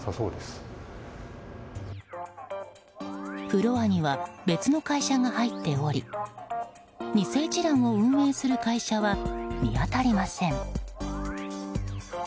フロアには別の会社が入っており偽一蘭を運営する会社は見当たりません